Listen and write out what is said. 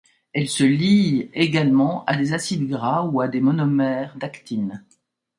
Elle se lie également à des acides gras ou à des monomères d'actine.